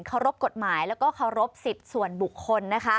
เคารพกฎหมายแล้วก็เคารพสิทธิ์ส่วนบุคคล